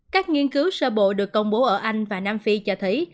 các nghiên cứu sơ bộ được công bố ở anh và nam phi cho thấy